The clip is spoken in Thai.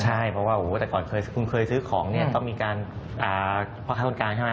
ใช่เพราะว่าแต่ก่อนคุณเคยซื้อของก็มีการภาคภาคต้นกลางใช่ไหม